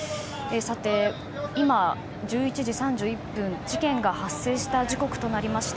今、１１時３１分事件が発生した時刻となりました。